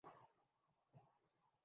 س کے بیٹے کی شادی تھی